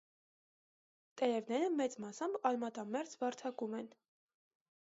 Տերևները մեծ մասամբ արմատամերձ վարդակում են։